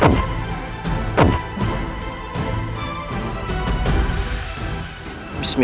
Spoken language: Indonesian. rayus rayus sensa pergi